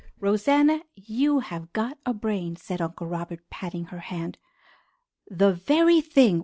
"Rosanna, you have got a brain," said Uncle Robert, patting her hand. "The very thing!